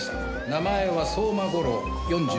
名前は相馬悟郎４６歳。